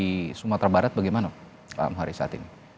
di sumatera barat bagaimana pak muhari saat ini